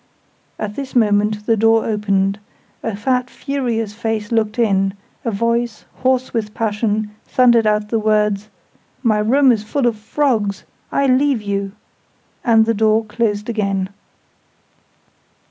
At this moment the door opened: a fat, furious face looked in: a voice, hoarse with passion, thundered out the words "My room is full of frogs I leave you!": and the door closed again.